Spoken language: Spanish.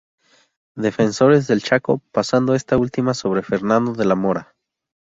Defensores del Chaco, pasando esta última sobre Fernando de la Mora.